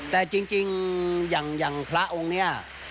แต่จริงอย่างพระองค์เนี่ย